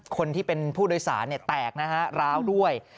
คนที่เป็นผู้โดยสารแตกนะฮะร้าวด้วย